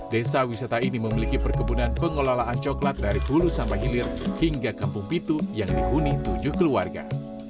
desa wisata ini memiliki perkebunan pengelolaan coklat dari hulu sampai hilir hingga kampung pitu yang dihuni tujuh keluarga